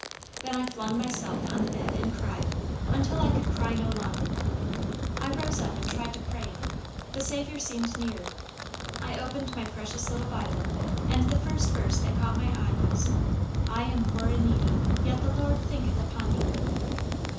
Then I flung myself on the bed and cried, until I could cry no longer. I rose up and tried to pray; the Saviour seemed near. I opened my precious little Bible, and the first verse that caught my eye was 'I am poor and needy, yet the Lord thinketh upon me.'